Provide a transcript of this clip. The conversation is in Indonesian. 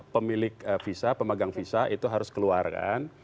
pemilik visa pemagang visa itu harus keluarkan